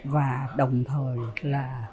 và đồng thời là